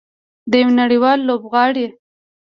یو نړیوال لوبغاړی.